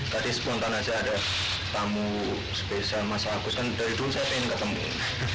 tadi spontan aja ada tamu spesial mas agus kan dari dulu saya ingin ketemu